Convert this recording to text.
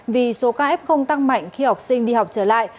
vì số ca f không tăng mạnh khi học sinh đi học trở lại